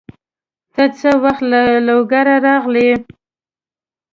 ته څه وخت له لوګره راغلې؟